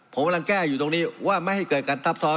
ผมกำลังแก้อยู่ตรงนี้ว่าไม่ให้เกิดการทับซ้อน